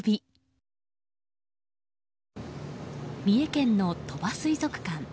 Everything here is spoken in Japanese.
三重県の鳥羽水族館。